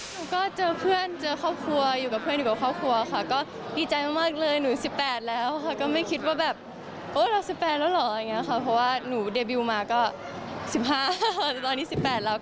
หนูก็เจอเพื่อนเจอครอบครัวอยู่กับเพื่อนอยู่กับครอบครัวค่ะก็ดีใจมากเลยหนู๑๘แล้วค่ะก็ไม่คิดว่าแบบโอ๊ยเรา๑๘แล้วเหรออย่างนี้ค่ะเพราะว่าหนูเดบิวมาก็๑๕ตอนนี้๑๘แล้ว